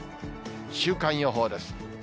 週間予報です。